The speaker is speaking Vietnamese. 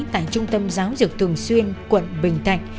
tại trung tâm giáo dục thường xuyên quận bình thạnh